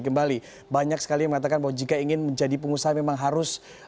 kembali banyak sekali yang mengatakan bahwa jika ingin menjadi pengusaha memang harus